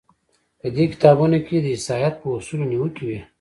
په دې کتابونو کې د عیسایت په اصولو نیوکې وې.